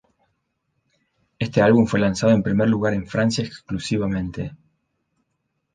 Este álbum fue lanzado en primer lugar en Francia exclusivamente.